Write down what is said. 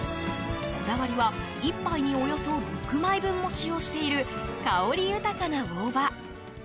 こだわりは、１杯におよそ６枚分も使用している香り豊かな大葉。